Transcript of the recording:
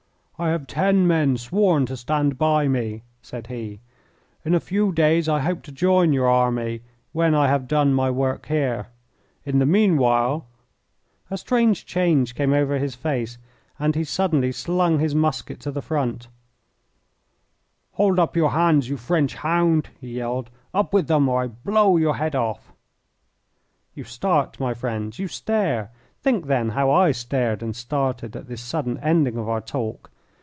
"I have ten men sworn to stand by me," said he. "In a few days I hope to join your army, when I have done my work here. In the meanwhile " A strange change came over his face, and he suddenly slung his musket to the front: "Hold up your hands, you French hound!" he yelled. "Up with them, or I blow your head of!" You start, my friends! You stare! Think, then, how I stared and started at this sudden ending of our talk.